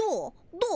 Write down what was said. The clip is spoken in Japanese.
どう？